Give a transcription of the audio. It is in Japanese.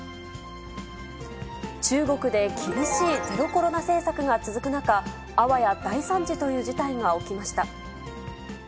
中国で厳しいゼロコロナ政策が続く中、あわや大惨事という事態が起きました。